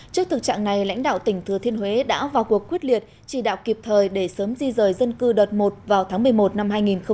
trước thực trạng này lãnh đạo tỉnh thừa thiên huế đã vào cuộc quyết liệt chỉ đạo kịp thời để sớm di rời dân cư đợt một vào tháng một mươi một năm hai nghìn một mươi chín